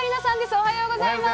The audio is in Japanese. おはようございます。